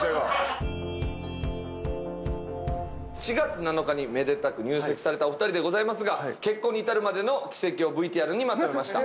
７月７日にめでたく入籍されたお二人でございますが結婚に至るまでの軌跡をＶＴＲにまとめました。